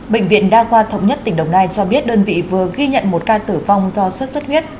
bệnh viện đa khoa thống nhất tỉnh đồng nai cho biết đơn vị vừa ghi nhận một ca tử vong do xuất xuất huyết